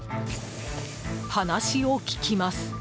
話を聞きます。